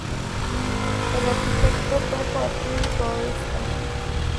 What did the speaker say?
El Arquitecto fue Joaquín Toesca.